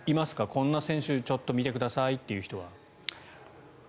こんな選手、ちょっと見てくださいという人は。